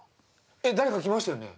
え誰か来ましたよね